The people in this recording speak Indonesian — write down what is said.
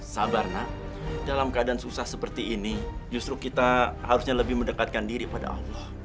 sabar nak dalam keadaan susah seperti ini justru kita harusnya lebih mendekatkan diri pada allah